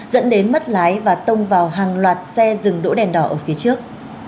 dẫn đến mất lái và tông vào hàng loạt xe dừng đỗ đèn đỏ ở phía trước